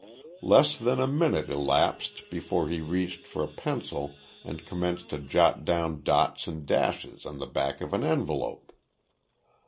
Less than a minute elapsed before he reached for a pencil and commenced to jot down dots and dashes on the back of an envelope.